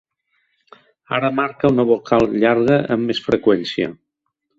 Ara marca una vocal llarga amb més freqüència.